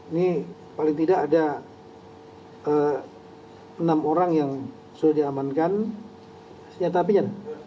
ini paling tidak ada enam orang yang sudah diamankan senjata apinya